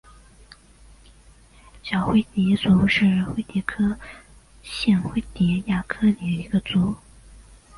娆灰蝶族是灰蝶科线灰蝶亚科里的一个族。